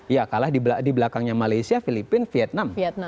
ya kalah di belakangnya malaysia filipina vietnam